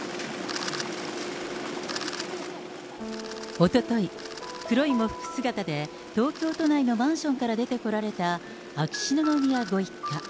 おととい、黒い喪服姿で、東京都内のマンションから出てこられた秋篠宮ご一家。